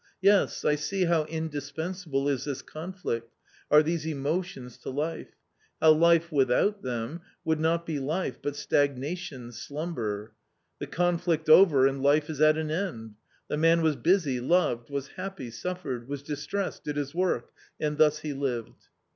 Yes, I see how indispensable is this conflict, are these emotions to life; how life without them would not be life, but stagnation, slumber The conflict over, and life is at an end ; the man was busy, loved ; was happy, suffered ; was distressed, did his work ; and thus he lived